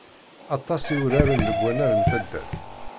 Aṭas i uraren deg wannar n taddart.